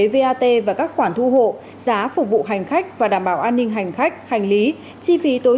vat và các khoản thu hộ giá phục vụ hành khách và đảm bảo an ninh hành khách hành lý chi phí tối